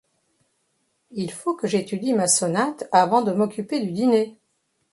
Il faut que j’étudie ma sonate avant de m’occuper du dîner!...